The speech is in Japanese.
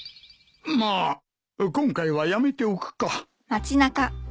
まあ今回はやめておくか。